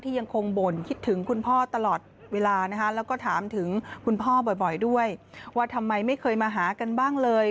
ถึงคุณพ่อบ่อยด้วยว่าทำไมไม่เคยมาหากันบ้างเลย